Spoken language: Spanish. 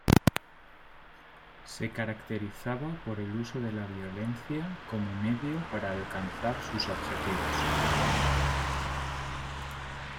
Se caracterizaba por el uso de la violencia como medio para alcanzar sus objetivos.